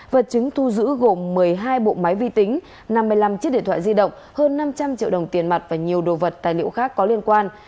vật chứng thu giữ gồm một mươi hai bộ máy vi tính năm mươi năm chiếc điện thoại di động hơn năm trăm linh triệu đồng tiền mặt và nhiều đồ vật tài liệu khác có liên quan